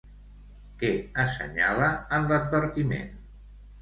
Què assenyala en l'advertiment?